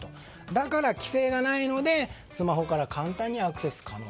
だから規制がないのでスマホから簡単にアクセス可能。